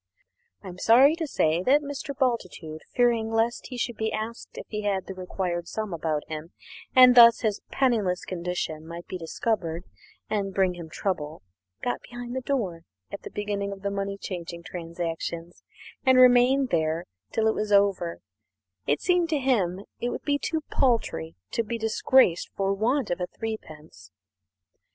I am sorry to say that Mr. Bultitude, fearing lest he should be asked if he had the required sum about him, and thus his penniless condition might be discovered and bring him trouble, got behind the door at the beginning of the money changing transactions and remained there till it was over it seemed to him that it would be too paltry to be disgraced for want of threepence.